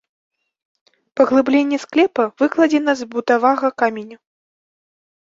Паглыбленне склепа выкладзена з бутавага каменю.